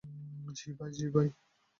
জি, ভাই!